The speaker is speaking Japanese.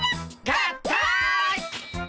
合体！